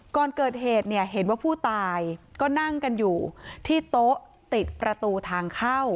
ก่อนเกิดเหตุเนี่ยเห็นว่าผู้ตายก็นั่งกันอยู่ที่โต๊ะติดประตูทางเข้า